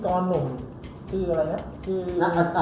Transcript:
หลับหลับสื่อต่อนั้นแหละ